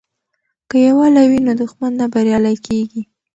که یووالي وي نو دښمن نه بریالی کیږي.